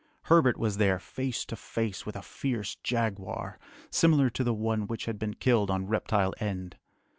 Herbert was there face to face with a fierce jaguar, similar to the one which had been killed on Reptile End.